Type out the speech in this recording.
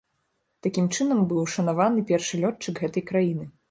Такім чынам быў ушанаваны першы лётчык гэтай краіны.